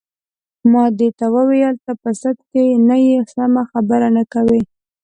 ما دې ته وویل: ته په سد کې نه یې، سمه خبره نه کوې.